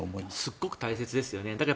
すごく大切ですよね。